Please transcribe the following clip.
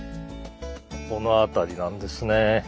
この辺りなんですね。